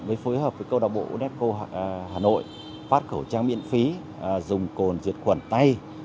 mới phối hợp với câu lạc bộ unesco hà nội phát khẩu trang miễn phí dùng cồn diệt khuẩn tay